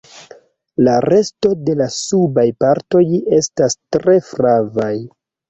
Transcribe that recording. La resto de la subaj partoj estas tre flavaj.